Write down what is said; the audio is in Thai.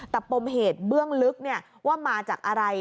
แต่ปมเหตุเบื้องลึกว่ามาจากอะไร